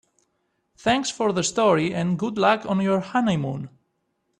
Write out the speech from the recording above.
Thanks for the story and good luck on your honeymoon.